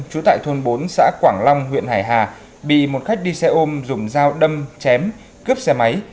chú tại thôn bốn xã quảng long huyện hải hà bị một khách đi xe ôm dùng dao đâm chém cướp xe máy